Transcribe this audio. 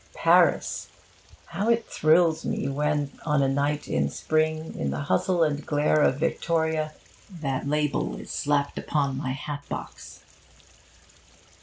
'Paris!' How it thrills me when, on a night in spring, in the hustle and glare of Victoria, that label is slapped upon my hat box!